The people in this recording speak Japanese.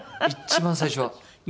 一番最初は。